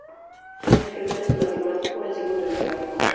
El primero es el matemático, el segundo el gráfico.